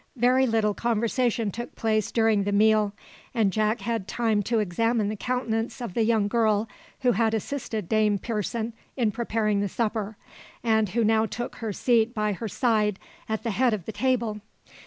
Very little conversation took place during the meal; and Jack had time to examine the countenance of the young girl who had assisted Dame Pearson in preparing the supper, and who now took her seat by her side at the head of the table.